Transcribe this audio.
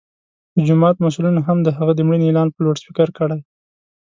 د جومات مسؤلینو هم د هغه د مړینې اعلان په لوډسپیکر کړی.